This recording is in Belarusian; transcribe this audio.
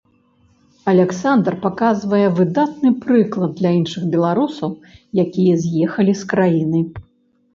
Аляксандр паказвае выдатны прыклад для іншых беларусаў, якія з'ехалі з краіны.